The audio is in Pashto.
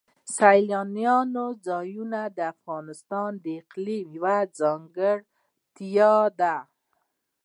سیلاني ځایونه د افغانستان د اقلیم یوه ځانګړتیا ده.